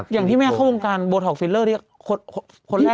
อย่างที่แม่เข้าวงการโบท็กฟิลเลอร์ที่คนแรก